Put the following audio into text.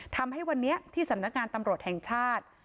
ทำให้วันนี้ที่สำนักงานตำรวจแห่งชาติ